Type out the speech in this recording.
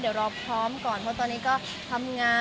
มีปิดฟงปิดไฟแล้วถือเค้กขึ้นมา